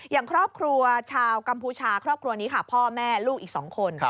อย่างครอบครัวชาวกัมพูชาครอบครัวนี้ค่ะพ่อแม่ลูกอีก๒คน